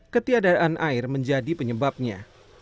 ketiadaan air menjadi penyebabnya